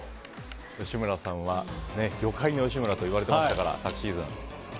吉村さんは魚介の吉村といわれてましたから昨シーズン。